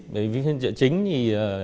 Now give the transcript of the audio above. vì viên trợ chính thì